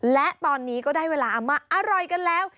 และตอนนี้ก็ได้เวลามาอร่อยกันแล้ว